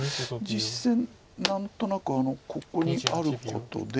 実戦何となくここにあることで。